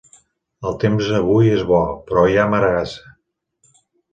El temps avui és bo però hi ha maregassa.